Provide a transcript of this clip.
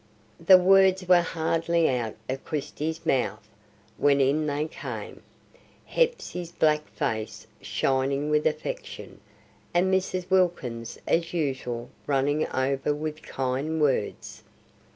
The words were hardly out of Christie's mouth when in they came; Hepsey's black face shining with affection, and Mrs. Wilkins as usual running over with kind words.